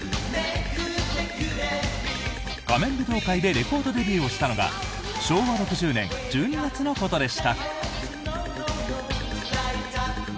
「仮面舞踏会」でレコードデビューをしたのが昭和６０年１２月のことでした。